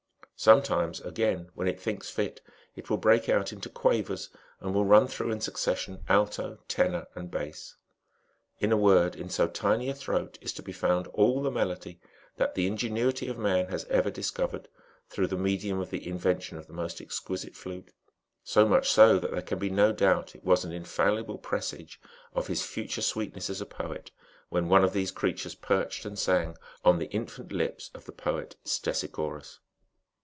Sometimes, again, when it thinks fit, it will break out into quavers, and will run through, in succession, alto, tenor, and bass : in a word, in so tiny a throat is to be found all the melody that the ingenuity of man has ever discovered through the medium of the invention of the most exquisite flute : so much so, that there can be no doubt it was an in fallible presage of his future sweetness as a poet, when one of these creatures perched and sang on the infant lips of the poet Stesichorus.